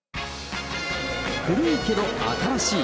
古いけど新しい。